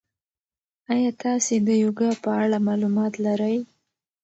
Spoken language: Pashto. ایا تاسي د یوګا په اړه معلومات لرئ؟